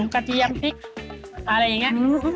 กระเทียมพริกอะไรอย่างนี้